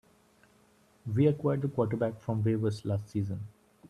We acquired the quarterback from waivers last season.